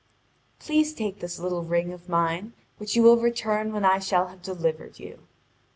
Please take this little ring of mine, which you will return when I shall have delivered you."